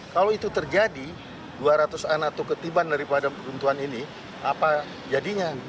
kalau itu terjadi dua ratus anak itu ketiban daripada peruntuhan ini apa jadinya